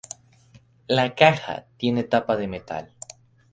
La caja tiene tapa de metal.